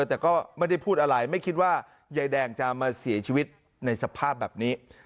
แต่ก็ไม่ได้พูดอะไรไม่คิดว่ายายแดงจะมาเสียชีวิตในสภาพแบบนี้